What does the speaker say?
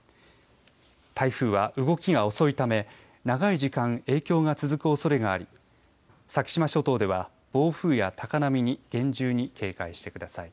台風は動きが遅いため、長い時間影響が続くおそれがあり先島諸島では、暴風や高波に厳重に警戒してください。